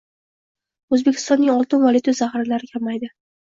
O‘zbekistonning oltin-valuta zaxiralari kamaydi